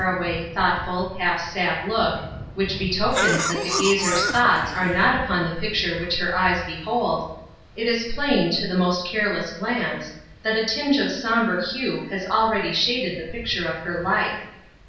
away, thoughtful, half sad look, which betokena that the gazer's thoughts are not upon the pict ure which her eyes behold — it is plain, to the most careless glance, that a tinge of somber hue has already shaded the picture of her life.